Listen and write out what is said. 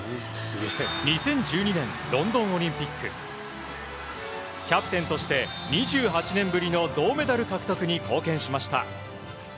２０１２年ロンドンオリンピックキャプテンとして２８年ぶりの銅メダル獲得に貢献しました。